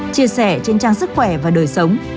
chia sẻ trên trang sức khỏe và đời sống